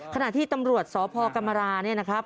ขณะที่ตำรวจสพกรรมราเนี่ยนะครับ